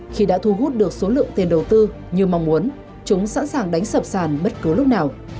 khi đã thu hút được số lượng tiền đầu tư như mong muốn chúng sẵn sàng đánh sập sàn bất cứ lúc nào